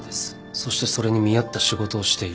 そしてそれに見合った仕事をしている。